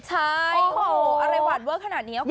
ใช่โอ้โหอะไรวัดเวิร์คขนาดนี้ครับคุณ